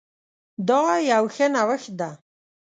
دا يو ښه نوښت ده